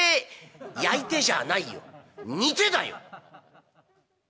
「『焼いて』じゃないよ『似て』だよ」。